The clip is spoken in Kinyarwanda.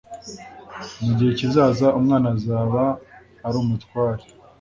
mu gihe kizaza umwana azaba arumutware